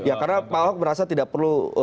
ya karena pak ahok merasa tidak perlu